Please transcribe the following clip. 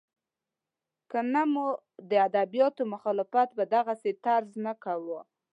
که نه مو د ادبیاتو مخالفت په دغسې طرز نه کاوه.